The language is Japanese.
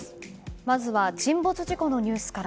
まずは沈没事故のニュースから。